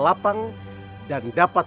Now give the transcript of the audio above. lapang dan dapat